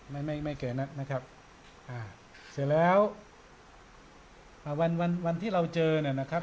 ไม่ไม่ไม่เกินนัดนะครับอ่าเสร็จแล้วอ่าวันวันวันที่เราเจอเนี่ยนะครับ